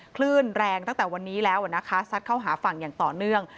คลื่นแรงตั้งแต่วันนี้แล้วนะคะซัดเข้าหาฝั่งอย่างต่อเนื่อง